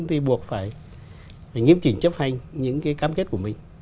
thì buộc phải nghiêm chỉnh chấp hành những cái cam kết của mình